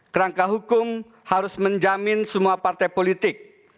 kerangka hukum harus menjamin semua partai politik